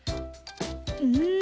うん。